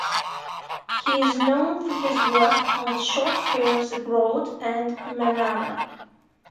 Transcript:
He is known for his work on the short films "Abroad" and "Manara".